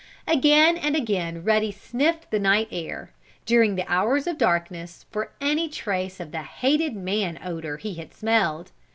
Again and again Ruddy sniffed the night air, during the hours of darkness for any trace of the hated man odor he had smelled.